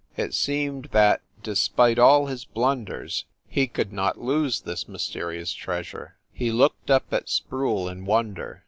It seemed that, despite all his blunders, he could not lose this mysterious treasure. He looked up at Sproule in wonder.